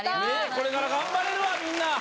これから頑張れるわみんな。